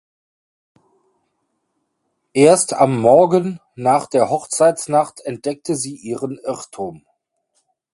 Erst am Morgen nach der Hochzeitsnacht entdeckte sie ihren Irrtum.